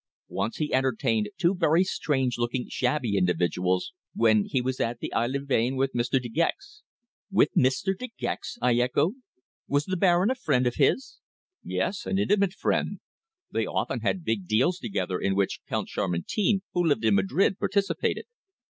"Once he entertained two very strange looking shabby individuals when he was at Aix les Bains with Mr. De Gex." "With Mr. De Gex!" I echoed. "Was the Baron a friend of his?" "Yes, an intimate friend. They often had big deals together in which Count Chamartin, who lived in Madrid, participated."